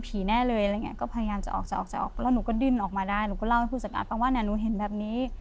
ปุญญาการคำว่าเน่ะนุเห็นแบบนี้